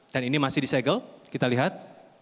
dan ini masih di segel kita lihat